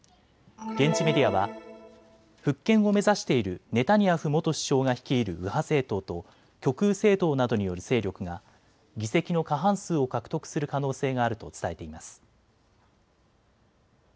現地メディアは復権を目指しているネタニヤフ元首相が率いる右派政党と極右政党などによる勢力が議席の過半数を獲得する可能性があると伝えています。